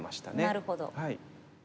なるほど。